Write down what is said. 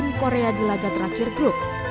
tim korea di laga terakhir grup